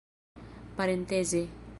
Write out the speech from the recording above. parenteze